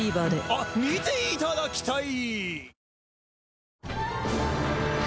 あっ見ていただきたい！